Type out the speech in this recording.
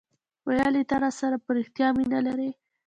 ویل یي ته راسره په ریښتیا مینه لرې